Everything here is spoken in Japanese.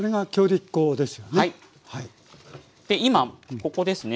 で今ここですね